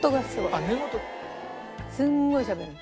すごいしゃべる。